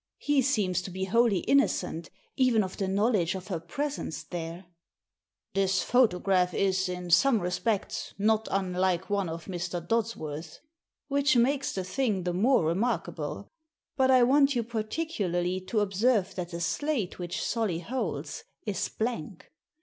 He seems to be wholly inno cent, even of the knowledge of her presence there." " This photograph is, in some respects, not unlike one of Mr. Dodsworth's." "Which makes the thing the more remarkable. But I want you particularly to observe that the slate which Solly holds is blank.